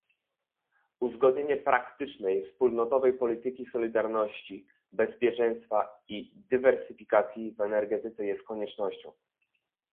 Uzgodnienie praktycznej, wspólnotowej polityki solidarności, bezpieczeństwa i dywersyfikacji w energetyce jest koniecznością